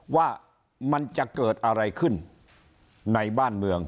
ว่ามันจะเกิดอะไรขึ้นในบ้านเมือง